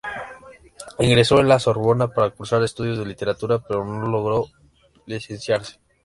Ingresó entonces en La Sorbona para cursar estudios de literatura pero no logró licenciarse.